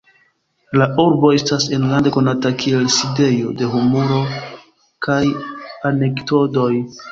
La urbo estas enlande konata kiel sidejo de humuro kaj anekdotoj.